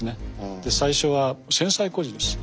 で最初は戦災孤児です。